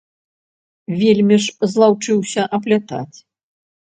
Вельмі ж злаўчыўся аплятаць.